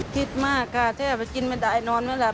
คิดมากค่ะถ้าอยากมากินมาได้ไม่ได้นอนไม่หลับ